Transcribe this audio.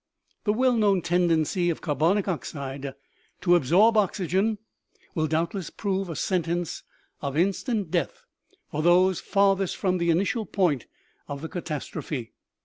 " The well known tendency of carbonic oxide to absorb oxygen will doubtless prove a sentence of instant death for those farthest from the initial point of the catas trophe.